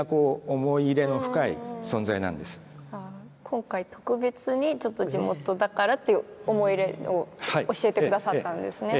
今回特別にちょっと地元だからっていう思い入れを教えて下さったんですね。